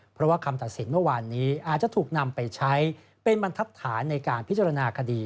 เพราะว่าคำตัดสินเมื่อวานนี้อาจจะถูกนำไปใช้เป็นบรรทัศนในการพิจารณาคดี